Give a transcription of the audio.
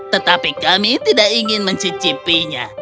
tetapi kami tidak ingin mencicipinya